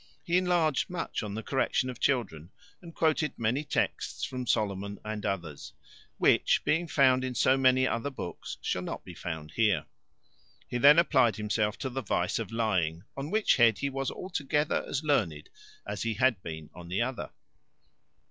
He enlarged much on the correction of children, and quoted many texts from Solomon, and others; which being to be found in so many other books, shall not be found here. He then applied himself to the vice of lying, on which head he was altogether as learned as he had been on the other.